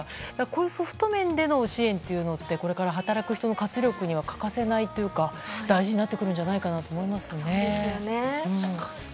こういうソフト面での支援をこれから働く人の活力には欠かせないというか大事になってくるんじゃないかなと思いますね。